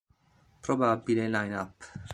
Probabile "line-up".